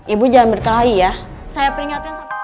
ibu jangan berkelahi ya